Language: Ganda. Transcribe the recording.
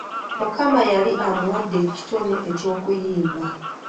Mukama yali amuwadde ekitone eky'okuyimba!